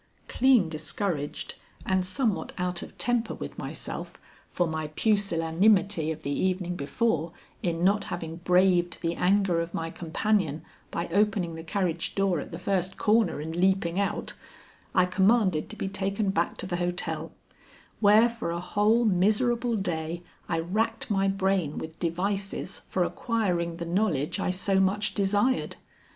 Clean discouraged and somewhat out of temper with myself for my pusillanimity of the evening before in not having braved the anger of my companion by opening the carriage door at the first corner and leaping out, I commanded to be taken back to the hotel, where for a whole miserable day I racked my brain with devices for acquiring the knowledge I so much desired.